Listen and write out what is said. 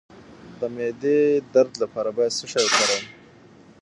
د معدې درد لپاره باید څه شی وکاروم؟